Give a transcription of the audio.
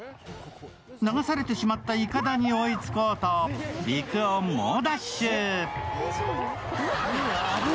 流されてしまったいかだに追いつこうと陸を猛ダッシュ。